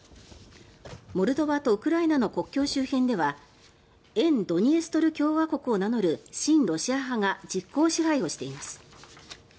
モルドバとウクライナの国境周辺では沿ドニエストル共和国を名乗る親ロシア派が実効支配をしています。